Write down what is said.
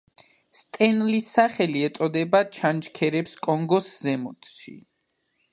სტენლის სახელი ეწოდება ჩანჩქერებს კონგოს ზემოთში.